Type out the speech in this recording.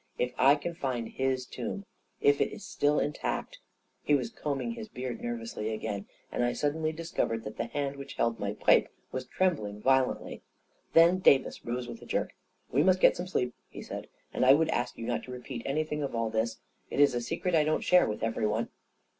" If I can find his tomb — if it is still intact ..." He was combing his beard nervously again, and I suddenly discovered that the hand which held my pipe was trembling violently. Then Davis rose with a jerk. 14 We must get some sleep," he said. " And I would ask you not to repeat anything of all this. It is a secret I don't share with everyone.'